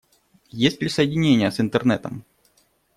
Есть ли соединение с Интернетом?